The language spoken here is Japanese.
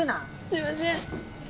すいません。